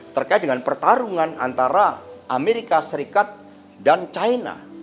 terkait dengan pertarungan antara amerika serikat dan china